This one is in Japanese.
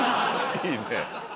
いいね。